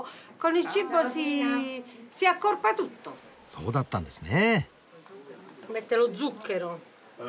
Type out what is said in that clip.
そうだったんですね。